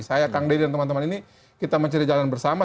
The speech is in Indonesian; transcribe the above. saya kang deddy dan teman teman ini kita mencari jalan bersama